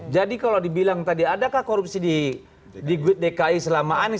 kalau dibilang tadi adakah korupsi di dki selama anies